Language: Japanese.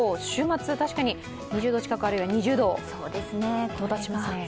週末、確かに２０度近く、あるいは２０度到達します。